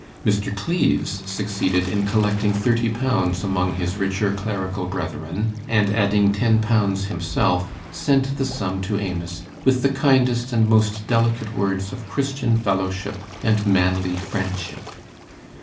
Mr. Cleves succeeded in collecting thirty pounds among his richer clerical brethren, and, adding ten pounds himself, sent the sum to Amos, with the kindest and most delicate words of Christian fellowship and manly friendship.